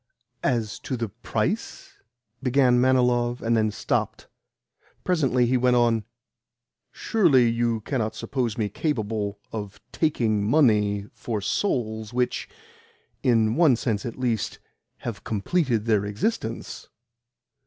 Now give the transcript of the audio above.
"As to the price?" began Manilov, and then stopped. Presently he went on: "Surely you cannot suppose me capable of taking money for souls which, in one sense at least, have completed their existence?